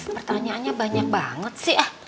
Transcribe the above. pertanyaannya banyak banget sih